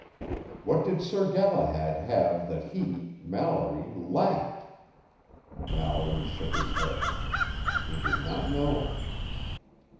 What did Sir Galahad have that he, Mallory, lacked? Mallory shook his head. He did not know.